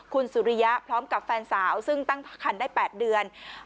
คุณสุริยะพร้อมกับแฟนสาวซึ่งตั้งคันได้๘เดือน